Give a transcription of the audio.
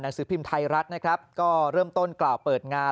สือพิมพ์ไทยรัฐนะครับก็เริ่มต้นกล่าวเปิดงาน